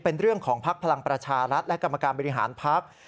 เป็นเรื่องของภักดิ์พลังประชารัฐและกรรมการบริหารพัก